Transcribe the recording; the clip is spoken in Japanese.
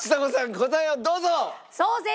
答えをどうぞ！